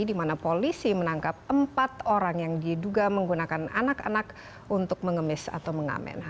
di mana polisi menangkap empat orang yang diduga menggunakan anak anak untuk mengemis atau mengamen